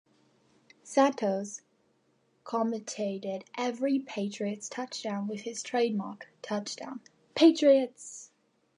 Santos commentated every Patriots touchdown with his trademark Touchdown, Patriots!